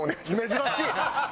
珍しいな。